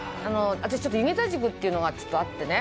私ちょっとユゲタ塾っていうのがあってね。